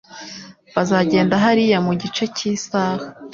Bazagenda hariya mugice cyisaha.